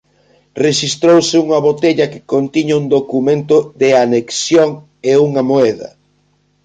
Rexistrouse unha botella que contiña un documento de anexión e unha moeda.